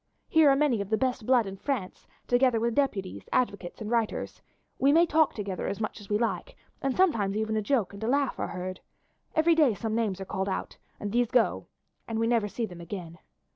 Here are many of the best blood in France, together with deputies, advocates, and writers. We may talk together as much as we like, and sometimes even a joke and a laugh are heard. Every day some names are called out, and these go and we never see them again.